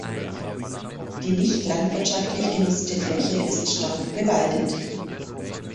Die nicht landwirtschaftlich genutzte Fläche ist stark bewaldet.